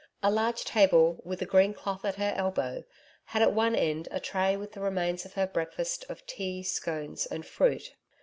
A large table with a green cloth, at her elbow, had at one end a tray with the remains of her breakfast of tea, scones and fruit.